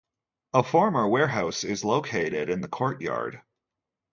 A former warehouse is located in the courtyard.